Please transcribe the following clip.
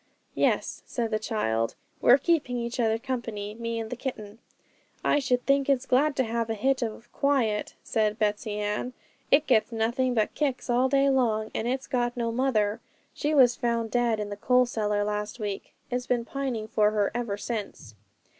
'Yes,' said the child; 'we're keeping each other company, me and the kitten.' 'I should think it's glad to have a hit of quiet,' said Betsey Ann; 'it gets nothing but kicks all day long, and it's got no mother she was found dead in the coal cellar last week; it's been pining for her ever since.'